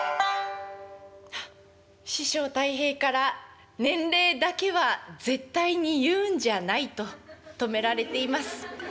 「は師匠たい平から『年齢だけは絶対に言うんじゃない』と止められています。